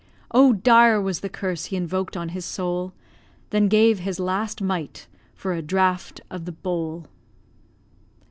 Oh, dire was the curse he invoked on his soul, Then gave his last mite for a draught of the bowl!